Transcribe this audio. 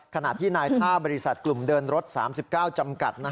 ขณะที่นายท่าบริษัทกลุ่มเดินรถ๓๙จำกัด